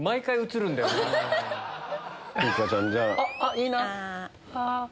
いいな。